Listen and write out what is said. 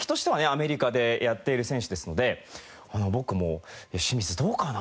アメリカでやっている選手ですので僕も「清水どうかな？」